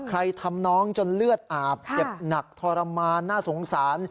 ทำน้องจนเลือดอาบเจ็บหนักทรมานน่าสงสาร